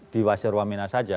di wasior wamena saja